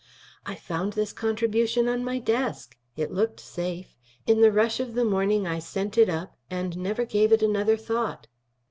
"I found this contribution on my desk. It looked safe. In the rush of the morning I sent it up and never gave it another thought."